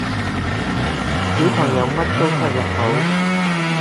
小朋友乜都塞入口